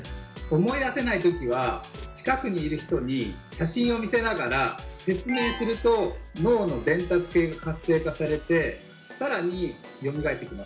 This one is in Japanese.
思い出せない時は近くにいる人に写真を見せながら説明すると脳の伝達系が活性化されて更によみがえってきます。